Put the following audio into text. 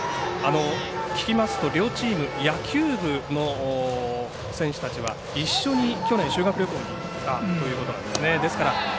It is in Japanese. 聞きますと両チーム野球部の選手たちは一緒に去年、修学旅行にいったということなんですね。